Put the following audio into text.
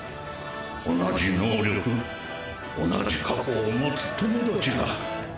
同じ能力同じ過去を持つ友達が。